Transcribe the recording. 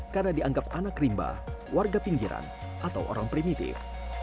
karena dianggap anak rimba warga pinggiran atau orang primitif